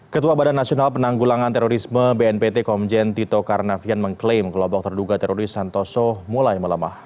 ketua badan nasional penanggulangan terorisme bnpt komjen tito karnavian mengklaim kelompok terduga teroris santoso mulai melemah